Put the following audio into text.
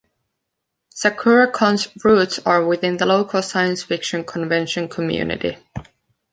Sakura-Con's roots are from within the local science fiction convention community.